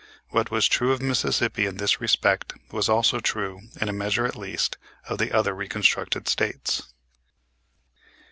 What was true of Mississippi in this respect was also true, in a measure, at least, of the other reconstructed States.